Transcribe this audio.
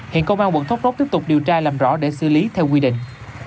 hiện công an quận thốt tiếp tục điều tra làm rõ để xử lý theo quy định